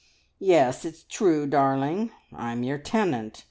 Yes, it's true, darling. I'm your tenant.